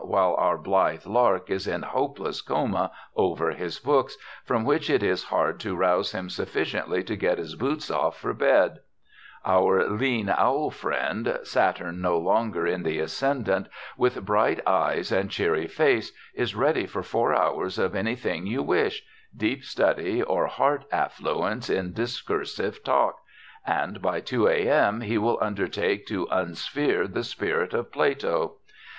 while our blithe lark is in hopeless coma over his books, from which it is hard to rouse him sufficiently to get his boots off for bed, our lean owl friend, Saturn no longer in the ascendant, with bright eyes and cheery face, is ready for four hours of anything you wish deep study, or Heart affluence in discoursive talk, and by 2 A. M. he will undertake to unsphere the spirit of Plato.